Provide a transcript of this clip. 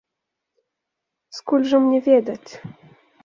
Скуль жа мне ведаць.